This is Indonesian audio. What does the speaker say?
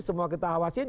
semua kita awasin